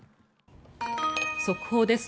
速報です。